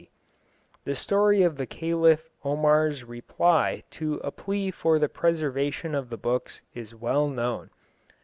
D. The story of the Caliph Omar's reply to a plea for the preservation of the books is well known.